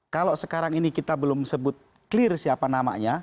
kalau sekarang ini kita belum sebut clear siapa namanya